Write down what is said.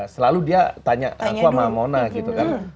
selalu dia tanya aku sama mona gitu kan